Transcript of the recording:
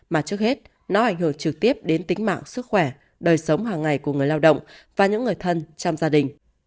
mà trước hết nó ảnh hưởng trực tiếp đến tính mạng sức khỏe đời sống hàng ngày của người lao động và những người thân trong gia đình